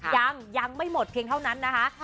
ยังยังไม่หมดเพียงเท่านั้นนะคะ